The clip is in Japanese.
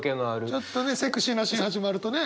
ちょっとねセクシーなシーンが始まるとね。